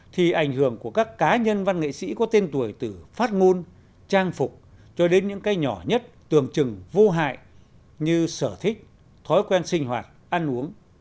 thì ảnh hưởng của các cá nhân văn nghệ sĩ có tên tuổi từ phát ngôn trang phục cho đến những cái nhỏ nhất tường chừng vô hại như sở thích thói quen sinh hoạt ăn uống